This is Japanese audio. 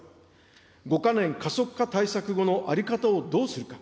５か年加速化対策後の在り方をどうするか。